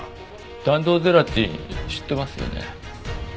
弾道ゼラチン知ってますよね？